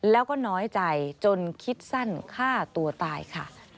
แล้วก็น้อยใจจนคิดสั้นฆ่าตัวตายค่ะ